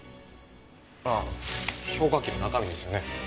ああ消火器の中身ですよね。